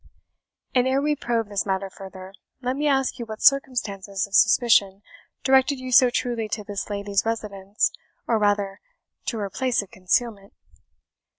And ere we probe this matter further, let me ask you what circumstances of suspicion directed you so truly to this lady's residence, or rather to her place of concealment?"